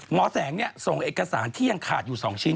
หมอแสงส่งเอกสารที่ยังขาดอยู่๒ชิ้น